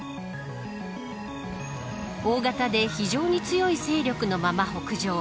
大型で非常に強い勢力のまま北上。